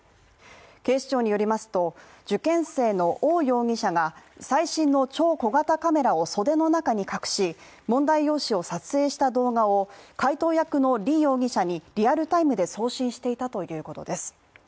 警視庁によりますと、受験生の王容疑者が最新の超小型カメラを袖の中に隠し問題用紙を撮影した動画を解答役の李容疑者にリアルタイムで送信していたということです。